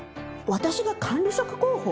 私が管理職候補？